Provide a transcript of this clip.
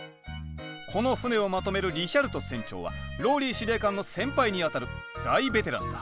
この船をまとめるリヒャルト船長はＲＯＬＬＹ司令官の先輩にあたる大ベテランだ。